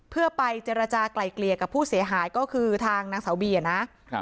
เพื่อไปเจรจากลายเกลี่ยกับผู้เสียหายก็คือทางนางสาวบีนะครับ